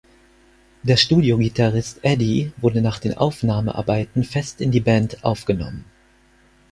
Der Studiogitarrist Eddie wurde nach den Aufnahmearbeiten fest in die Band aufgenommen.